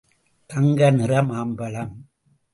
தங்க நிற மாம்பழம்.